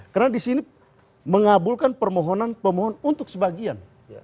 karena di sini mengabulkan permohonan pemohon untuk sebagian